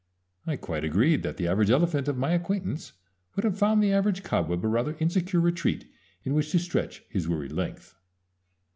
I quite agreed that the average elephant of my acquaintance would have found the average cobweb a rather insecure retreat in which to stretch his weary length.